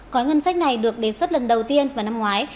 gói ngân sách này được đề xuất lần đầu tiên vào năm ngoái